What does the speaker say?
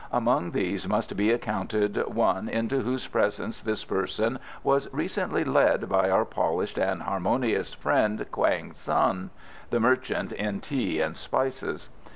Among these must be accounted one into whose presence this person was recently led by our polished and harmonious friend Quang Tsun, the merchant in tea and spices.